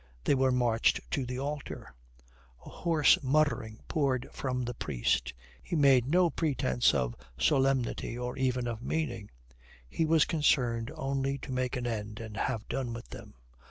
They were marched to the altar. A hoarse muttering poured from the priest. He made no pretence of solemnity or even of meaning. He was concerned only to make an end and have done with them.